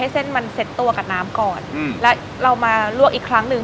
เส้นมันเซ็ตตัวกับน้ำก่อนแล้วเรามาลวกอีกครั้งหนึ่ง